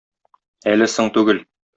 Әле соң түгел!